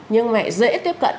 nhưng mà dễ tiếp cận